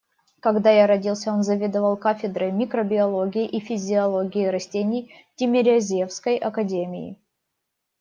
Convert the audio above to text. Когда я родился, он заведовал кафедрой микробиологии и физиологии растений в Тимирязевской академии.